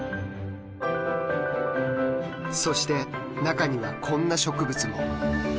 そして中にはこんな植物も。